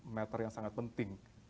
matter yang sangat penting